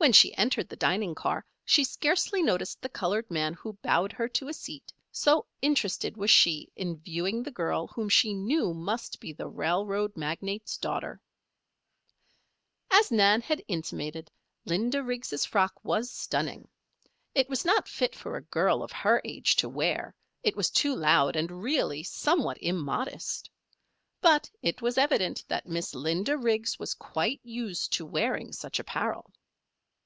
When she entered the dining car she scarcely noticed the colored man who bowed her to a seat, so interested was she in viewing the girl whom she knew must be the railroad magnate's daughter. As Nan had intimated, Linda Riggs' frock was stunning. It was not fit for a girl of her age to wear, it was too loud and, really, somewhat immodest. But it was evident that Miss Linda Riggs was quite used to wearing such apparel.